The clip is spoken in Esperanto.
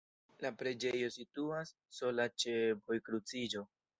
La preĝejo situas sola ĉe vojkruciĝo.